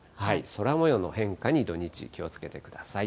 空もようの変化に土日、気をつけてください。